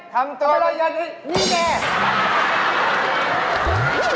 ทำนี่แม่